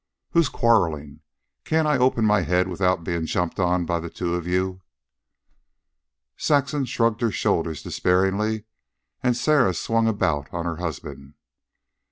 "Who's quarreling? Can't I open my head without bein' jumped on by the two of you?" Saxon shrugged her shoulders despairingly, and Sarah swung about on her husband.